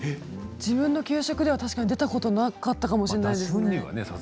自分の給食では出たことがなかったかもしれないですね。